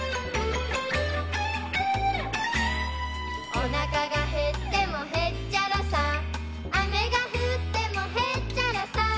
「おなかがへってもへっちゃらさ」「雨が降ってもへっちゃらさ」